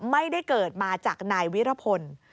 ไม่ได้เกิดมาจากนายวิรพล